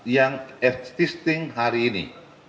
yang existing hari ini